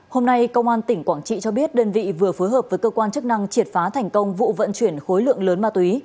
hôm nay công an tỉnh quảng trị cho biết đơn vị vừa phối hợp với cơ quan chức năng triệt phá thành công vụ vận chuyển khối lượng lớn ma túy